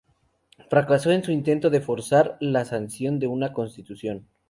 Fracasó en su intento de forzar la sanción de una constitución.